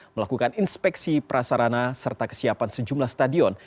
melakukan inspeksi prasarana serta kesiapan sejumlah stadion